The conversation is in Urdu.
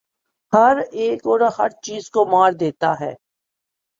ہر ایک اور ہر چیز کو مار دیتا ہے